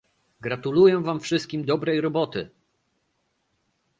Gratuluję wam wszystkim dobrej roboty!